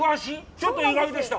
ちょっと意外でした。